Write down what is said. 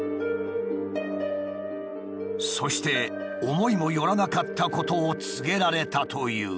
そして思いもよらなかったことを告げられたという。